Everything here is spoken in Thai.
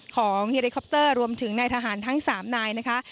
ของฮีริคอปเตอร์รวมถึงในทหารทั้ง๓นายนะคะ